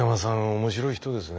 面白い人ですね。